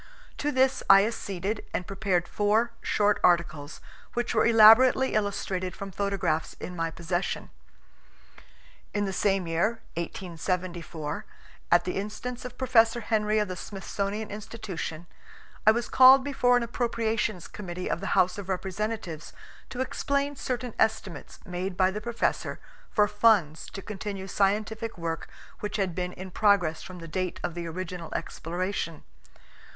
To this I acceded and prepared four short articles, which were elaborately illustrated from photographs in my possession. In the same year 1874 at the instance of Professor Henry of the Smithsonian Institution, I was called before an appropriations committee of the House of Representatives to explain certain estimates made by the Professor for funds to continue scientific work which had been in progress from the date of the original exploration.